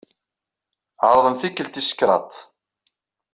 Ɛerḍen tikkelt tis kraḍt.